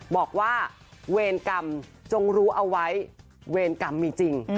บอกว่าเวรกรรมจงรู้เอาไว้เวรกรรมมีจริง